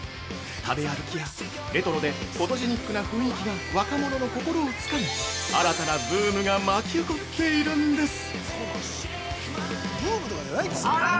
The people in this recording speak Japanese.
食べ歩きやレトロでフォトジェニックな雰囲気が若者の心をつかみ、新たなブームが巻き起こっているんです！